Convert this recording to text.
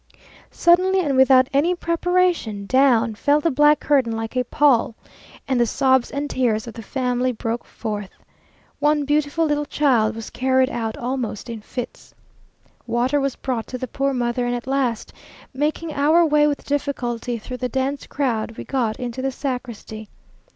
Suddenly, and without any preparation, down fell the black curtain like a pall, and the sobs and tears of the family broke forth. One beautiful little child was carried out almost in fits. Water was brought to the poor mother; and at last, making our way with difficulty through the dense crowd, we got into the sacristy.